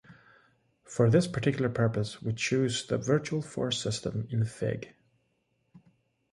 For this particular purpose, we choose the virtual force system in Fig.